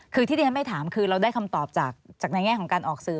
คือที่ที่ฉันไม่ถามคือเราได้คำตอบจากในแง่ของการออกสื่อ